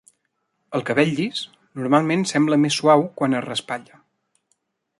El cabell llis normalment sembla més suau quan es raspalla.